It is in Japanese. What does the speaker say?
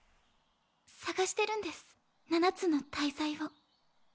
捜してるんです七つの大罪を。